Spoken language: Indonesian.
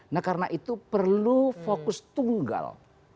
nah karena itu perlu fokus tunggal